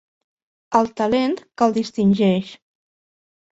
El talent que el distingeix.